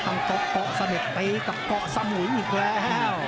ตกเกาะเสด็จตีกับเกาะสมุยอีกแล้ว